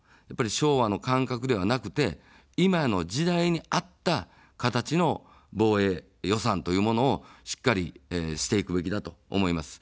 昭和の感覚ではなくて、今の時代に合った形の防衛予算というものをしっかりしていくべきだと思います。